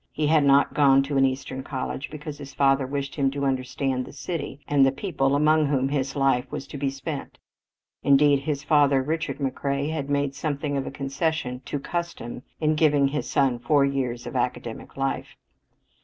He had not gone to an Eastern college because his father wished him to understand the city and the people among whom his life was to be spent. Indeed, his father, Richard McCrea, had made something of a concession to custom in giving his son four years of academic life.